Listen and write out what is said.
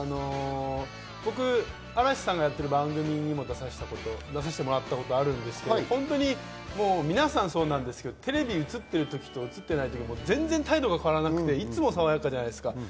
僕、嵐さんがやっている番組にも出させてもらったことあるんですけれど、皆さん、テレビ映ってる時と映っていない時、全然態度が変わらなくて、いつもさわやかじゃないですか。